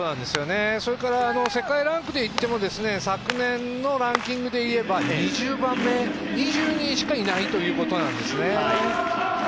それから世界ランクでいっても昨年のランキングでいえば２０番目、２０人しかいないということなんですね。